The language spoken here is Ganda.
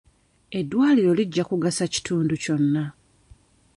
Eddwaliro lijja kugasa kitundu kyonna.